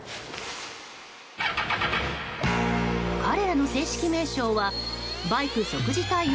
彼らの正式名称はバイク即時対応